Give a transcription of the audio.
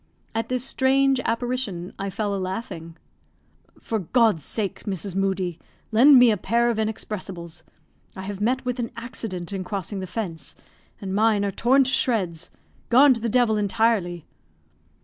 At this strange apparition, I fell a laughing. "For God's sake, Mrs. Moodie, lend me a pair of inexpressibles. I have met with an accident in crossing the fence, and mine are torn to shreds gone to the devil entirely."